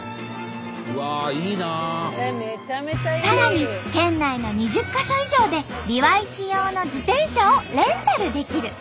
さらに県内の２０か所以上でビワイチ用の自転車をレンタルできる。